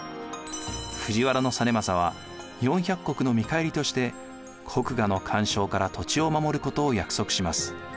藤原実政は４００石の見返りとして国衙の干渉から土地を守ることを約束します。